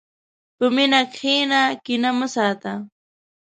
په مینه کښېنه، کینه مه ساته.